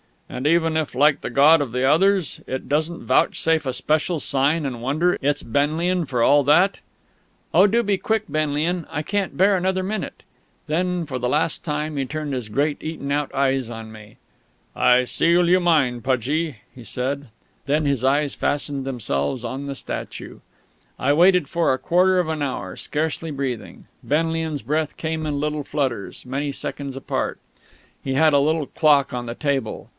"And even if, like the God of the others, it doesn't vouchsafe a special sign and wonder, it's Benlian, for all that?" "Oh, do be quick, Benlian! I can't bear another minute!" Then, for the last time, he turned his great eaten out eyes on me. "I seal you mine, Pudgie!" he said. Then his eyes fastened themselves on the statue. I waited for a quarter of an hour, scarcely breathing. Benlian's breath came in little flutters, many seconds apart. He had a little clock on the table.